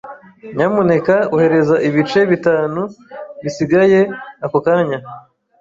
Nyamuneka ohereza ibice bitanu bisigaye ako kanya?